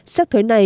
xác thuế này